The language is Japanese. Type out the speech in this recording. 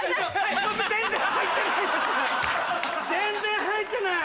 全然入ってない。